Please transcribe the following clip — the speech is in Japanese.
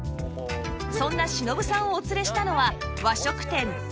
そんな忍さんをお連れしたのは和食店の水